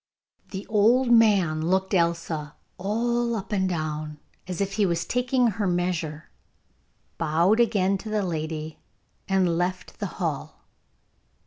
The old man looked Elsa all up and down, as if he was taking her measure, bowed again to the lady, and left the hall.